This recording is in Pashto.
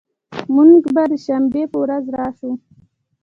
مونږ به د شنبې په ورځ راشو